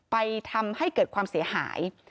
ทำให้เกิดความเสียหาย